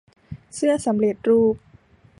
เสื้อสำเร็จรูป